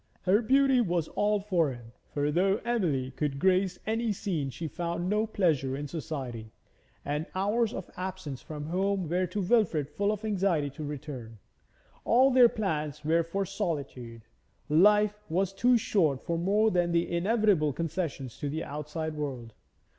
Her beauty was all for him, for though Emily could grace any scene she found no pleasure in society, and the hours of absence from home were to Wilfrid full of anxiety to return. All their plans were for solitude; life was too short for more than the inevitable concessions to the outside world.